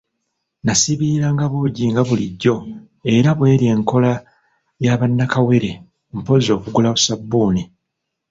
Nasiibiriranga buugi nga bulijjo era bw'eri nkola ya ba nnakawere mpozzi okugula ssabbuuni.